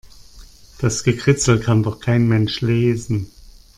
Das Gekritzel kann doch kein Mensch lesen.